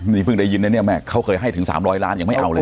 นี่เพิ่งได้ยินนะเนี่ยแม่เขาเคยให้ถึง๓๐๐ล้านยังไม่เอาเลย